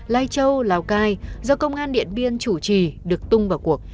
lai châu lào cai do công an điện biên chủ trì được tung vào cuộc